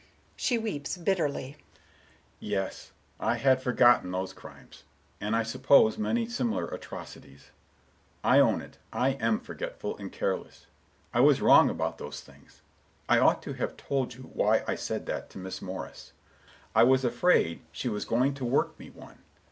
She weeps bitterly. Mr. Richards, quietly: "Yes, I had forgotten those crimes, and I suppose many similar atrocities. I own it, I am forgetful and careless. I was wrong about those things. I ought to have told you why I said that to Miss Morris: I was afraid she was going to work me one.